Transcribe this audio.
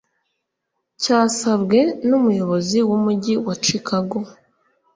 cyasabwe n'umuyobozi w'umujyi wa Chicago